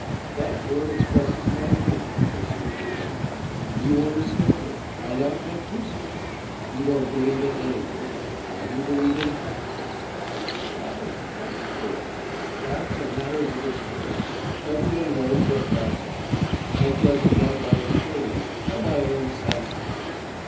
'That word expresses my meaning,' pursued Rudin. 'You understand it; why not make use of it? You don't believe in anything. Why do you believe in facts?' 'Why? That's good! Facts are matters of experience, every one knows what facts are. I judge of them by experience, by my own senses.